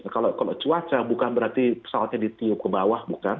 kalau cuaca bukan berarti pesawatnya ditiup ke bawah bukan